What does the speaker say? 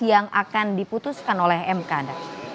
yang akan diputuskan oleh mkd